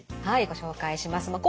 はいご紹介します。